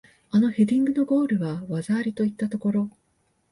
あのヘディングのゴールは技ありといったところ